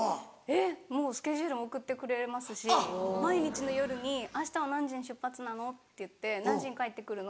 えっもうスケジュール送ってくれますし毎日の夜に「あしたは何時に出発なの？」「何時に帰ってくるの？」